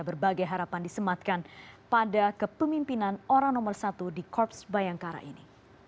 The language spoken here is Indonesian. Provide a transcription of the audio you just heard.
berbagai harapan disematkan pada kepemimpinan orang nomor satu di korps bayangkara ini